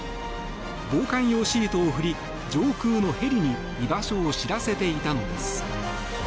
防寒用シートを振り上空のヘリに居場所を知らせていたのです。